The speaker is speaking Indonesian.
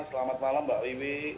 selamat malam mbak liwi